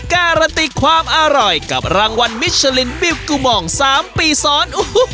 การันตีความอร่อยกับรางวัลมิชลินปิวกูมอง๓ปีซ้อน